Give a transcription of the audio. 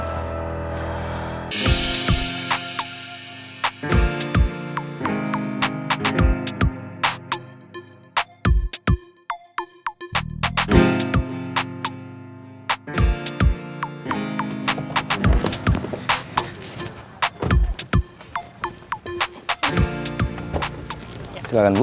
mulainya selamat pulang ya